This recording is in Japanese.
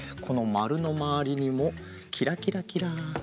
このまるのまわりにもキラキラキラ。